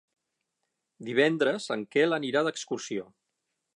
Divendres en Quel anirà d'excursió.